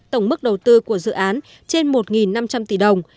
tổng mức đầu tư của dự án trên một năm trăm linh tỷ đồng